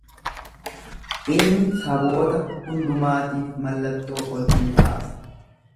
Inni saboota hundumaatiif mallattoo ol in kaasa.